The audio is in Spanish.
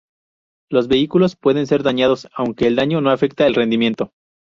Los vehículos pueden ser dañados, aunque el daño no afecta el rendimiento.